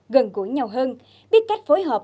gần gũi nhau hơn biết cách phối hợp